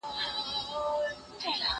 کېدای سي ليکنه سخته وي!؟